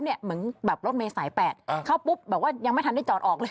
เหมือนแบบรถเมษัยแปดเขาปุ๊บยังไม่ทันได้จอดออกเลย